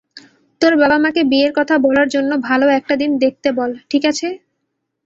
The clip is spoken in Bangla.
তোর বাবা-মাকে বিয়ের কথা বলার জন্য ভালো একটা দিন দেখতে বল, ঠিক আছে?